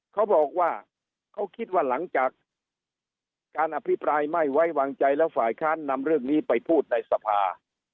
เขาบอกว่าเขาคิดว่าหลังจากการอภิปรายไม่ไว้วางใจแล้วฝ่ายค้านนำเรื่องนี้ไปพูดในสภา